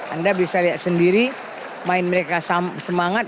anda bisa lihat sendiri main mereka semangat